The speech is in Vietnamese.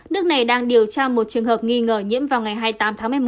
nước này đang điều tra một trường hợp nghi ngờ nhiễm vào ngày hai mươi tám tháng một mươi một